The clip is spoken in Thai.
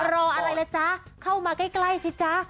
อะไรล่ะจ๊ะเข้ามาใกล้สิจ๊ะ